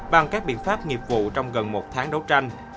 bằng các biện pháp nghiệp vụ trong gần một tháng đấu tranh